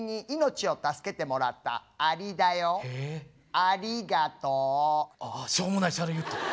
あしょうもないシャレ言った。